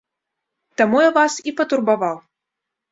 Таму я вас і патурбаваў.